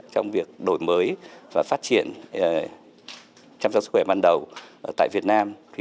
trong việc đổi mới và phát triển chăm sóc sức khỏe ban đầu tại việt nam